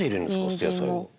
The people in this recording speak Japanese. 捨て野菜を。